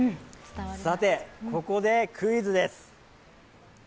さて、ここでクイズです。